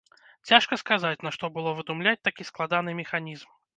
Цяжка сказаць, нашто было выдумляць такі складаны механізм.